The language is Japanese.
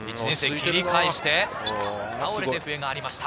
切り替えして、倒れて笛がありました。